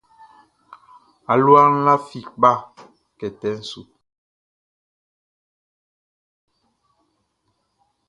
Alua lafi kpa kɛtɛ su.